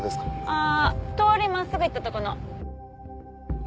ああ通り真っすぐ行ったとこの。